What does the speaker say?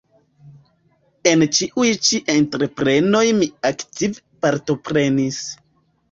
En ĉiuj ĉi entreprenoj mi aktive partoprenis.